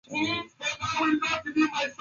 katika makaazi fulani ambayo yako uswahilini